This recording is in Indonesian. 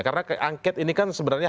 karena angket ini kan sebenarnya